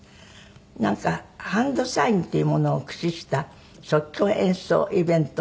なんかハンドサインっていうものを駆使した即興演奏イベントを主催したっていうので。